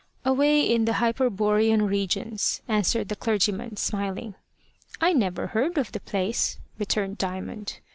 "Away in the Hyperborean regions," answered the clergyman, smiling. "I never heard of the place," returned Diamond.